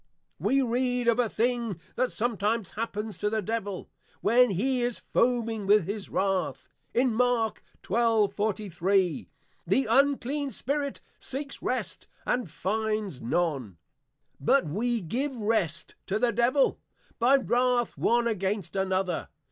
We read of a thing that sometimes happens to the Devil, when he is foaming with his Wrath, in Mar. 12.43. The unclean Spirit seeks rest, and finds none. But we give rest unto the Devil, by wrath one against another.